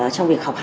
trong việc khám phá